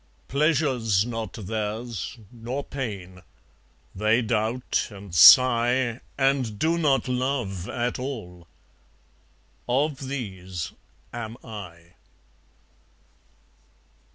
Pleasure's not theirs, nor pain. They doubt, and sigh, And do not love at all. Of these am I.